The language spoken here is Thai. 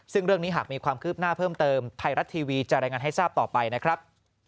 ซึ่งเรื่องนี้หากมีความคืบหน้าเพิ่มเติมไทยรัฐทีวีจะรายงานให้ทราบต่อไปนะครับ